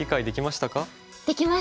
できました。